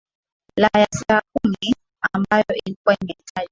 la ya saa kumi ambayo ilikuwa imetajwa